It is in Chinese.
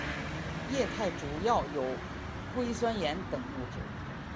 液态主要有硅酸盐等物质。